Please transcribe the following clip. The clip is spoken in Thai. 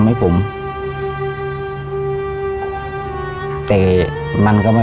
หลักกำลังกลับมา